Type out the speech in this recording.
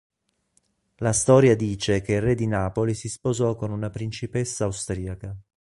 La storia dice che il re di Napoli si sposò con una principessa austriaca.